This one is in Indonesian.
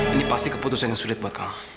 ini pasti keputusan yang sulit buat kamu